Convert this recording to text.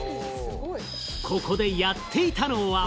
ここでやっていたのは。